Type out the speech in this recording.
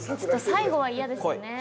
最後は嫌ですね。